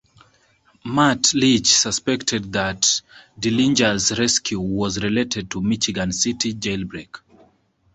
Matt Leach suspected that Dillinger's rescue was related to the Michigan City jailbreak.